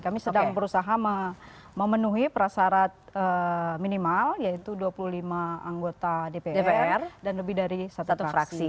kami sedang berusaha memenuhi prasarat minimal yaitu dua puluh lima anggota dpr dan lebih dari satu fraksi